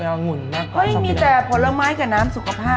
เขาหนุ่นมากค่าไม่มีแต่ผลไม้กับน้ำสุขภาพ